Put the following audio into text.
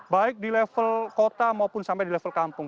baik di level kota maupun sampai di level kampung